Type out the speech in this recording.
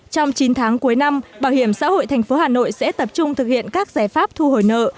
trong chín tháng cuối năm bảo hiểm xã hội thành phố hà nội sẽ tập trung thực hiện các giải pháp thu hồi nợ